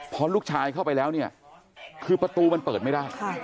พอลูกชายเข้าไปแล้วเนี่ยคือประตูมันเปิดไม่ได้